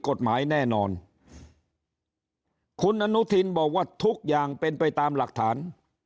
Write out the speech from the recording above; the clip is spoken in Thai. กฎหมายแน่นอนคุณอนุทินบอกว่าทุกอย่างเป็นไปตามหลักฐาน